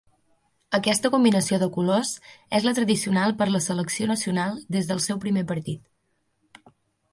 Aquesta combinació de colors és la tradicional per a la selecció nacional des del seu primer partit.